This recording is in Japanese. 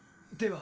は？